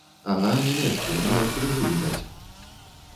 Ага, нямецкі, нават крыжы відаць.